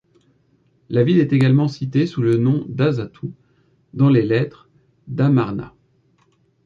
La ville est également citée, sous le nom d’Hazattu dans les lettres d'Amarna.